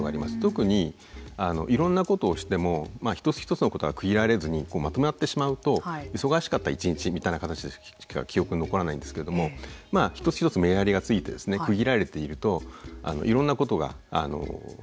特にいろんなことをしても一つ一つのことが区切られずにまとまってしまうと忙しかった一日みたいな形でしか記憶に残らないんですけれども一つ一つメリハリがついてですね区切られているといろんなことができたと。